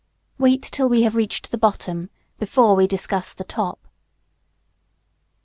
Wait till we have reached the bottom before we discuss the top.